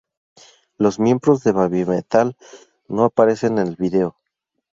Los miembros de Babymetal no aparecen en el vídeo.